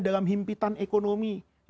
dalam himpitan ekonomi